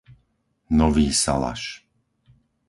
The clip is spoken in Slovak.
Nový Salaš